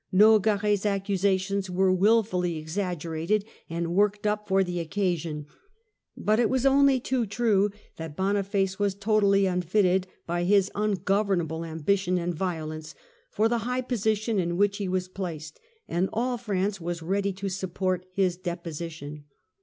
Nogaret 's accusa tions were wilfully exaggerated and worked up for the oc casion, but it was only too true that Boniface was totally unfitted by his ungovernable ambition and violence for the high position in which he was placed, and all France was ready to support his deposition.